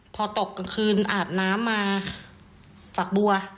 พอตกกลางคืนอาบน้ำมาฝักบัว